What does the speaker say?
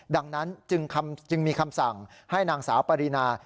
ดังนั้นจึงมีคำสั่งให้นางสาวปรินา